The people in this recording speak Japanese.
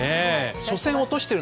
初戦、落としている。